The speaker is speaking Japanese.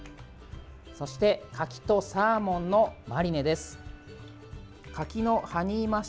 そして柿とサーモンのマリネです。